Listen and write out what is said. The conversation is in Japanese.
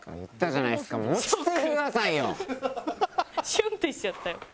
シュンってしちゃったよ。